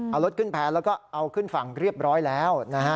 เอารถขึ้นแพร่แล้วก็เอาขึ้นฝั่งเรียบร้อยแล้วนะฮะ